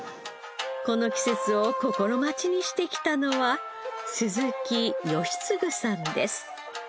この季節を心待ちにしてきたのは鈴木好次さんです。